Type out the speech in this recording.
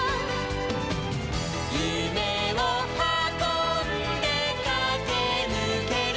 「ゆめをはこんでかけぬける」